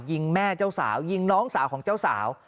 ยิงแม่เจ้าสาวยิงน้องสาวของเจ้าสาว